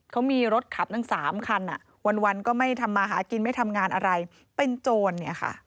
เขามีรถขับตั้ง๓คันวันก็ไม่ทำมาหากินไม่ทำงานอะไรเป็นโจรเนี่ยค่ะ